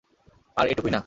আর এটুকুই না।